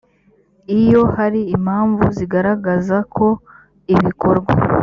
iyo hari impamvu zigaragaza ko ibikorwa